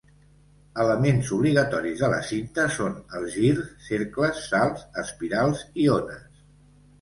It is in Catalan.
Elements obligatoris de la cinta són els girs, cercles, salts, espirals i ones.